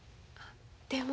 でも。